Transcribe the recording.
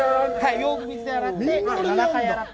よく水で洗って。